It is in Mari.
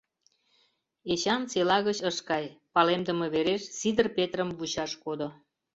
Эчан села гыч ыш кай, палемдыме вереш Сидыр Петрым вучаш кодо.